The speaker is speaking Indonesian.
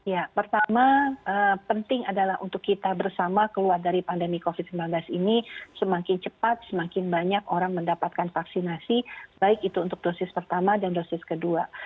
ya pertama penting adalah untuk kita bersama keluar dari pandemi covid sembilan belas ini semakin cepat semakin banyak orang mendapatkan vaksinasi baik itu untuk dosis pertama dan dosis kedua